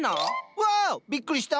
うわ！びっくりした。